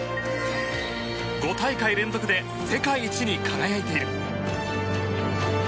５大会連続で世界一に輝いている。